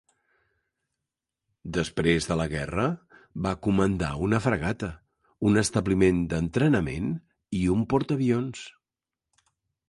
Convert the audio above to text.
Després de la Guerra va comandar una fragata, un establiment d'entrenament i un portaavions.